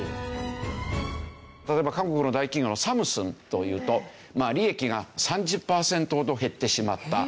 例えば韓国の大企業のサムスンというと利益が３０パーセントほど減ってしまった。